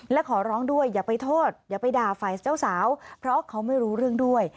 และขอร้องด้วยอย่าไปโทษอย่าไปด่าฝ่ายเจ้าสาวเพราะเขาไม่รู้เรื่องด้วย